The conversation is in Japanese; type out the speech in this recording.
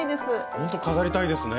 ほんと飾りたいですね！